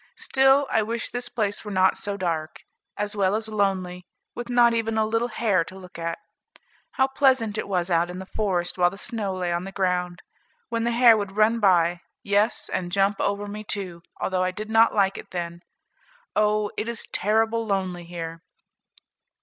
Still I wish this place were not so dark, as well as lonely, with not even a little hare to look at. How pleasant it was out in the forest while the snow lay on the ground, when the hare would run by, yes, and jump over me too, although I did not like it then. Oh! it is terrible lonely here."